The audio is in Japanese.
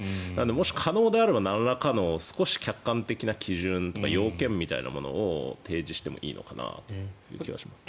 もし可能であればなんらかの少し客観的な基準とか要件みたいなものを提示してもいいのかなという気がします。